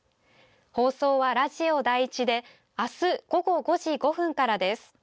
放送はラジオ第１で明日午後５時５分からです。